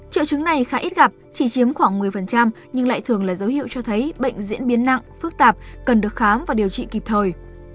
triệu chứng này khá ít gặp chỉ chiếm khoảng một mươi nhưng lại thường là dấu hiệu cho thấy bệnh diễn biến nặng phức tạp cần được khám và điều trị kịp thời